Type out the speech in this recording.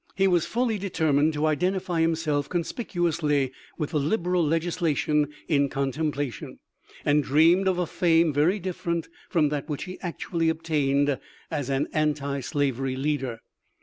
He was fully determined to identify himself conspic uously with the liberal legislation in contemplation, and dreamed of a fame very different from that which he actually obtained as an anti slavery leader.